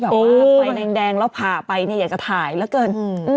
อย่าเต่งงั่งแดงแล้วพาไปอยากจะถ่ายละกัน